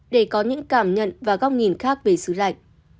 để có những cảm nhận và góc nhìn khác về xứ lạnh